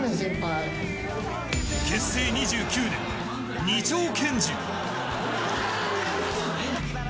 結成２９年、２丁拳銃。